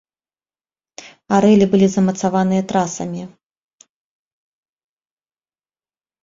Арэлі былі замацаваныя трасамі.